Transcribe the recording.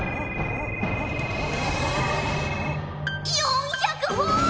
４００ほぉ！